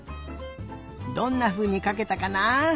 どんなふうにかけたかな？